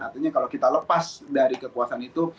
artinya kalau kita lepas dari kekuasaan itu